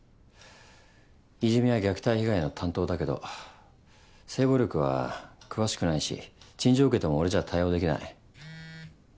いじめや虐待被害の担当だけど性暴力は詳しくないし陳情受けても俺じゃ対応できない。